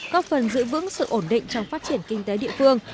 có phần giữ vững sự ổn định trong phát triển kinh tế địa phương